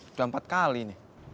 udah empat kali nih